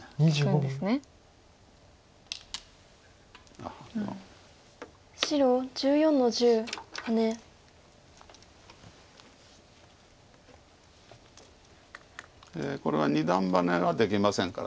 でこれは二段バネはできませんから。